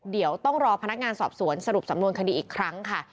เดี๋ยวต้องรอพนักงานสอบสวนสรุปสำนวนคดีอีกครั้งค่ะ